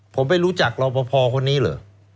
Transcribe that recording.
ผมไม่รู้จักรอปภคนนี้เหรอ